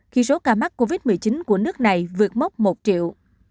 khi số ca mắc covid một mươi chín của nước này vượt mốc một triệu